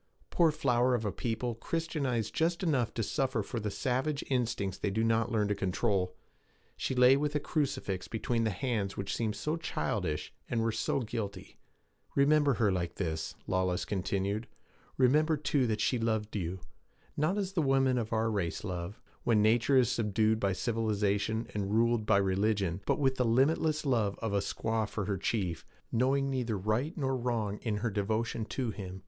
Poor flower of a people Christianized just enough to suffer for the savage instincts they do not learn to control! She lay with a crucifix between the hands which seemed so childish, and were so guilty. 'Remember her like this,' Lawless continued. Remember, too, that she loved you; not as the women of our race love, when nature is subdued by civilization and ruled by religion, but with the limitless love of a squaw for her chief, knowing neither right nor wrong in her devotion to him.